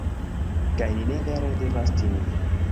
kaj ni ne vere devas timi